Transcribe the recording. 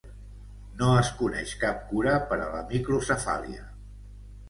No es coneix cap cura per a la microcefàlia.